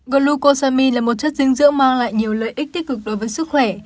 golucosami là một chất dinh dưỡng mang lại nhiều lợi ích tích cực đối với sức khỏe